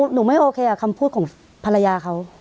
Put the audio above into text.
หนูไม่โอเคกับคำพูดของภรรยาเขา